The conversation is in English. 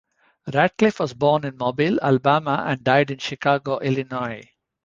Radcliffe was born in Mobile, Alabama and died in Chicago, Illinois.